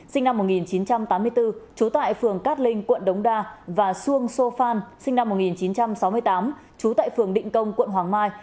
sinh năm một nghìn chín trăm tám mươi bốn trú tại phường cát linh quận đống đa và xuông sô phan sinh năm một nghìn chín trăm sáu mươi tám trú tại phường định công quận hoàng mai